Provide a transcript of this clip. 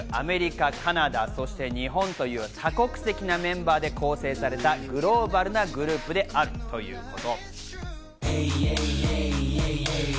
韓国、アメリカ、カナダ、そして日本という多国籍なメンバーで構成された、グローバルなグループであるということ。